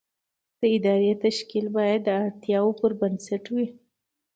د ادارې تشکیل باید د اړتیاوو پر بنسټ وي.